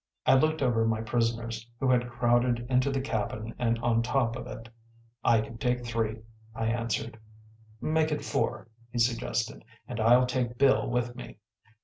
I looked over my prisoners, who had crowded into the cabin and on top of it. “I can take three,‚ÄĚ I answered. “Make it four,‚ÄĚ he suggested, “and I’ll take Bill with me.